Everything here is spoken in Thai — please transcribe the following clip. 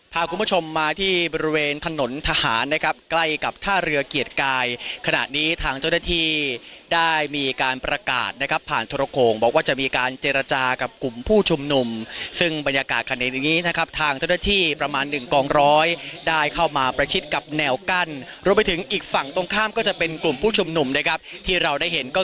พาคุณผู้ชมมาที่บริเวณถนนทหารนะครับใกล้กับท่าเรือเกียรติกายขณะนี้ทางเจ้าหน้าที่ได้มีการประกาศนะครับผ่านโทรโขงบอกว่าจะมีการเจรจากับกลุ่มผู้ชุมนุมซึ่งบรรยากาศขณะนี้นะครับทางเจ้าหน้าที่ประมาณหนึ่งกองร้อยได้เข้ามาประชิดกับแนวกั้นรวมไปถึงอีกฝั่งตรงข้ามก็จะเป็นกลุ่มผู้ชุมนุมนะครับที่เราได้เห็นก็